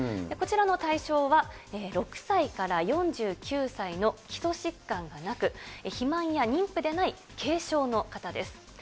こちらの対象は、６歳から４９歳の基礎疾患がなく、肥満や妊婦でない軽症の方です。